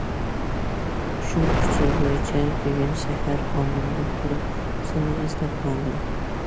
شۇ ئۇچۇر بويىچە بۈگۈن سەھەر ئورنۇمدىن تۇرۇپ سېنى ئىزدەپ ماڭدىم.